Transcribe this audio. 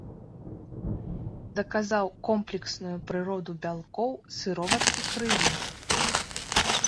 Даказаў комплексную прыроду бялкоў сыроваткі крыві.